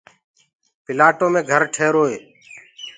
پلآٽو مي گھر ٺيهيروئي